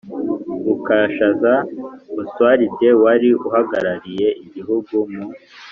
rukashaza oswalidi wari uhagarariye igihugu mu